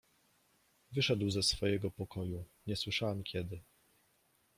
"Wyszedł ze swojego pokoju, nie słyszałam kiedy."